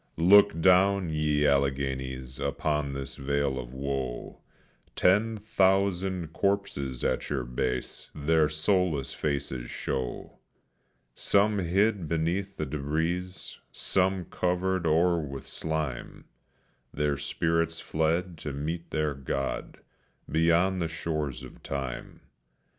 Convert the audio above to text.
Look down, ye Alleghenies, upon this vale of woe; Ten thousand corpses at your base their soulless faces show; Some hid beneath the debris, some covered o'er with slime, Their spirits fled to meet their God, beyond the shores of time.